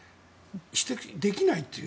指摘できないという。